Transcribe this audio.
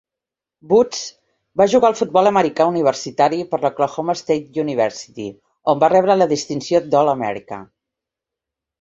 Woods va jugar al futbol americà universitari per a la Oklahoma State University, on va rebre la distinció d'All-America.